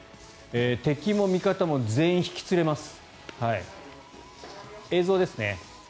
敵も味方も全員引き連れます。